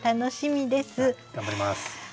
頑張ります！